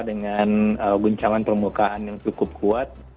dan dengan guncangan permukaan yang cukup kuat